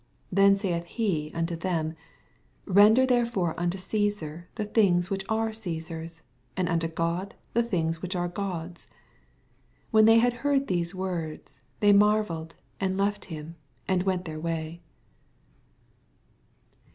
Then aaith he unto them, Bender therefore unto Cssar the things which are Cesar's : and unto God the thingi which are God's. 22 When they had heard ihut wordty they marvelled, and left him, and went their way.